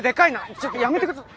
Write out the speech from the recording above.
ちょっとやめてください。